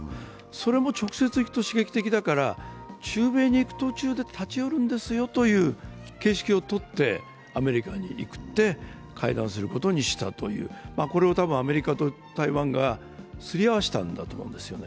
それも直接行くと刺激的だから、中米に行く途中で立ち寄るんですという形式を取ってアメリカにいって会談することにしたという、これは多分アメリカと台湾がすり合わせたんだと思うんですよね。